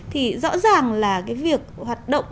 thì rõ ràng là cái việc hoạt động